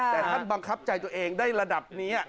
แต่ท่านบังคับใจตัวเองได้ระดับนี้